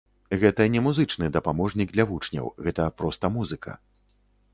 Гэта не музычны дапаможнік для вучняў, гэта проста музыка.